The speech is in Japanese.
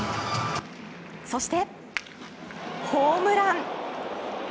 そしてホームラン。